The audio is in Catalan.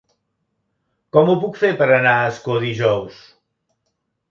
Com ho puc fer per anar a Ascó dijous?